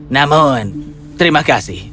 namun terima kasih